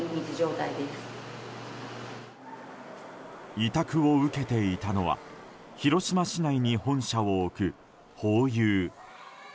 委託を受けていたのは広島市内に本社を置くホーユー。